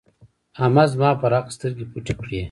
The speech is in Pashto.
احمد زما پر حق سترګې پټې کړې.